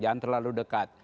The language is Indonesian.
jangan terlalu dekat